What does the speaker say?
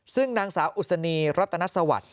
ซึ่งนางสาวอุศนีรัตนสวัสดิ์